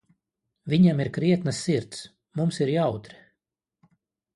Viņam ir krietna sirds, mums ir jautri.